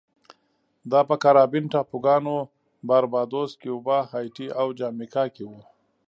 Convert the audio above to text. دا په کارابین ټاپوګانو باربادوس، کیوبا، هایټي او جامیکا کې و